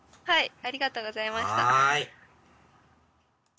はい